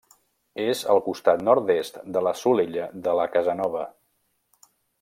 És al costat nord-est de la Solella de la Casanova.